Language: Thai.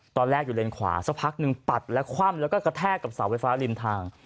ตอนแรกอยู่เลนขวาสักพักหนึ่งปัดและคว่ำแล้วก็กระแทกกับเสาไฟฟ้าริมทาง